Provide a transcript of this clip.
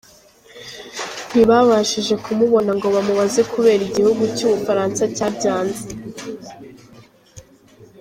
Ntibabashije kumubona ngo bamubaze kubera igihugu cy’u Bufaransa cyabyanze.